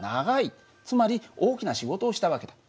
つまり大きな仕事をした訳だ。